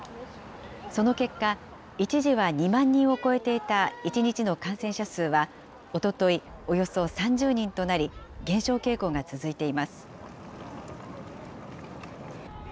その結果、一時は２万人を超えていた１日の感染者数はおととい、およそ３０人となり、減少傾向が続いています。